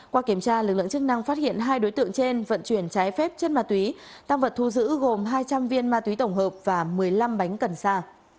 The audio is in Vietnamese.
qua kiểm tra lực lượng chức năng phát hiện hai đối tượng trên vận chuyển trái phép chất ma túy tăng vật thu giữ gồm hai trăm linh viên ma túy tổng hợp và một mươi năm bánh cần sa